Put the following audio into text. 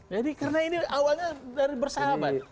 jadi karena ini awalnya dari bersahabat